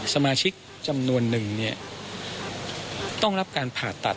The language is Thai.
สมาชิกจำนวนหนึ่งต้องรับการผ่าตัด